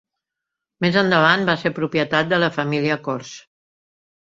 Més endavant va ser propietat de la família Cors.